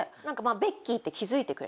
ベッキーって気付いてくれて。